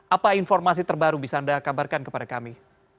apa informasi terbaru bisa anda kabarkan kepada kami